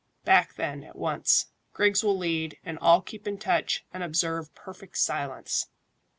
"Back, then, at once. Griggs will lead, and all keep in touch, and observe perfect silence."